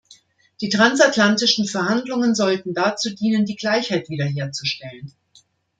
Die transatlantischen Verhandlungen sollten dazu dienen, die Gleichheit wieder herzustellen.